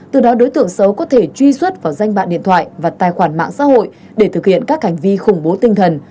từ đó đối tượng xấu có thể truy xuất vào danh bạn điện thoại và tài khoản mạng xã hội để thực hiện các hành vi khủng bố tinh thần